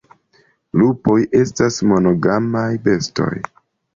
Lupoj estas monogamaj bestoj.